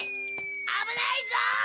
危ないぞ！